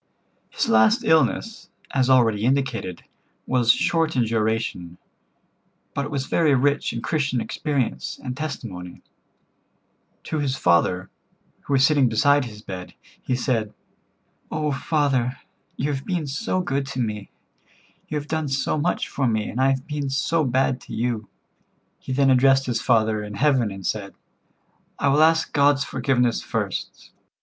'" His last illness, as already indicated, was short in duration, but it was very rich in Christian experience and testimony. To his father, who was sitting beside his bed, he said: "Oh, father, you have been so good to me. You have done so much for me, and I have been so bad to you." He then addressed his Father in heaven and said: "I will ask God's forgiveness first.